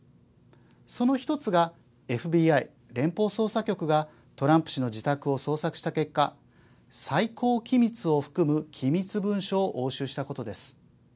その１つがＦＢＩ＝連邦捜査局がトランプ氏の自宅を捜索した結果最高機密を含む機密文書を押収したことです。